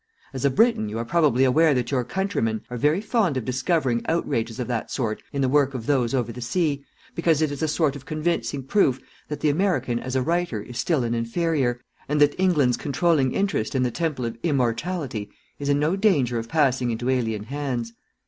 As a Briton you are probably aware that your countrymen are very fond of discovering outrages of that sort in the work of those over the sea, because it is a sort of convincing proof that the American as a writer is still an inferior, and that England's controlling interest in the Temple of Immortality is in no danger of passing into alien hands.